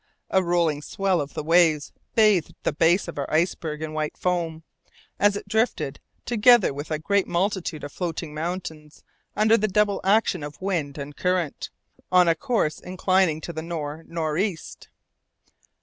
A rolling swell of the waves bathed the base of our iceberg in white foam, as it drifted, together with a great multitude of floating mountains under the double action of wind and current, on a course inclining to the nor' nor' east.